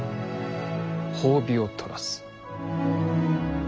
褒美を取らす。